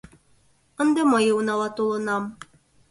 Ынде мые унала толынам.